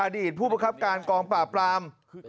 อดีตผู้ประคับการกองปราบปราม